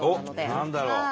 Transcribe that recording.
何だろう？